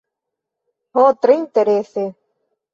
Ho, tre interese